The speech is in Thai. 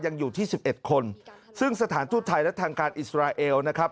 ยังอยู่ที่สิบเอ็ดคนซึ่งสถานทูตไทยและทางการอิสราเอลนะครับ